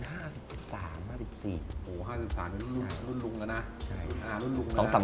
๕๓เป็นรุ่นรุ่งแล้วนะ